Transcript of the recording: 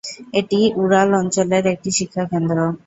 এটি উরাল অঞ্চলের একটি শিক্ষাকেন্দ্র।